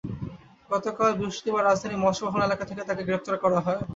গতকাল বৃহস্পতিবার রাজধানীর মৎস্য ভবন এলাকা থেকে তাঁকে গ্রেপ্তার করা হয়।